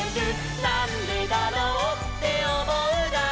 「なんでだろうっておもうなら」